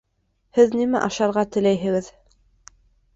Һеҙ нимә ашарға теләйһегеҙ?